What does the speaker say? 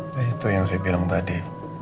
nah itu yang saya bilang tadi